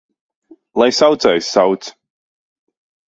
Lai saucējs sauc!